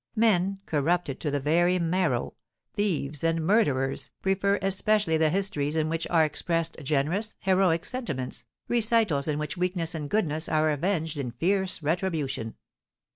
Men corrupted to the very marrow, thieves, and murderers, prefer especially the histories in which are expressed generous, heroic sentiments, recitals in which weakness and goodness are avenged in fierce retribution.